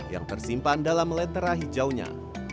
yang tersimpan dalam letera hijaunya